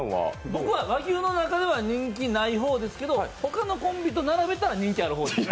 僕は和牛の中では人気ない方ですけれども、他のコンビと並べたら人気がある方です。